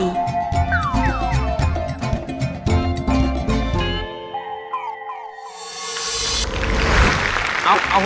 มค